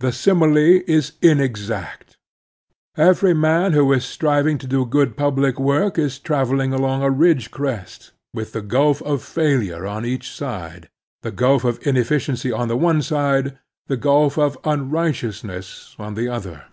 The simile is inexact. Every man who is striving to do good public work is traveling along a ridge crest, with the gulf of failure on each side — ^the gulf of inefficiency on the one side, the gulf of unrighteousness on the other.